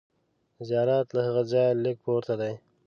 زیارت له هغه ځایه لږ پورته دی.